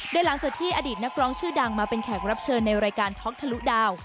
โดยหลังจากที่อดีตนักร้องชื่อดังมาเป็นแขกรับเชิญในรายการท็อกทะลุดาว